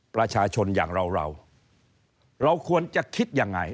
ประชาชนอย่างเราเราควรจะคิดยังไง